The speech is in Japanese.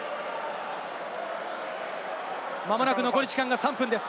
間もなく残り時間が３分です。